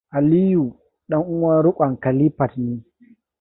Aliyu ɗan uwan riƙon Khalifat ne.